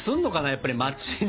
やっぱり街に。